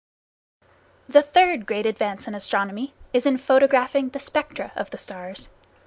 The third great advance in astronomy is in photographing the spectra of the stars.